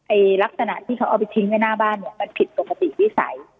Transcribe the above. ลักษณะที่เขาเอาไปทิ้งไว้หน้าบ้านเนี่ยมันผิดปกติวิสัย